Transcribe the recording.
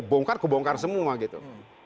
kebongkar kebongkar semua gitu